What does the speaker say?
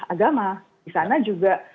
agama disana juga